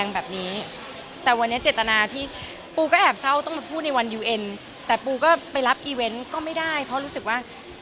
วันนี้มีน้ำตาที่เผยกันนะคะมีรักกันทุกวันร้อยมีน้ำตาทั้งคู่ไหมคะ